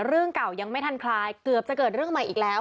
เรื่องเก่ายังไม่ทันคลายเกือบจะเกิดเรื่องใหม่อีกแล้ว